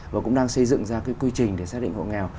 và cũng đang xây dựng ra cái quy trình để xác định hộ nghèo